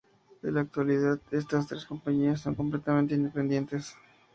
En la actualidad estas tres compañías son completamente independientes.